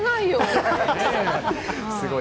すごい！